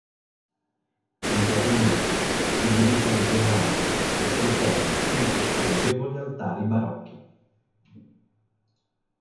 Internamente è suddivisa in tre navate e conserva cinque pregevoli altari barocchi.